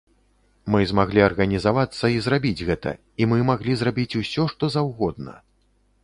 Мы змаглі арганізавацца і зрабіць гэта, і мы маглі зрабіць усё што заўгодна.